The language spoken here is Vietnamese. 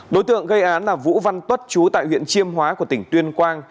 đối tượng gây án là vũ văn tuất chú tại huyện chiêm hóa của tỉnh tuyên quang